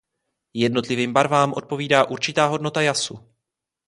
Jednotlivým barvám odpovídá určitá hodnota jasu.